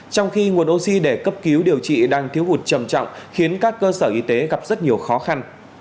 trong khi nguồn oxy để cấp cứu điều trị đang thiếu hụt trầm trọng khiến các cơ sở y tế gặp rất nhiều khó khăn